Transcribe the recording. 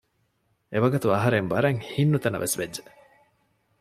އެވަގުތު އަހުރެން ވަރަށް ހިތް ނުތަނަވަސް ވެއްޖެ